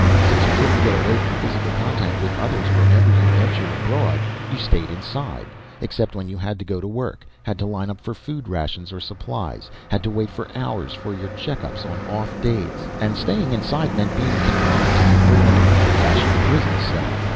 Since you couldn't get away from physical contact with others whenever you ventured abroad, you stayed inside except when you had to go to work, had to line up for food rations or supplies, had to wait for hours for your check ups on off days. And staying inside meant being confined to the equivalent of an old fashioned prison cell.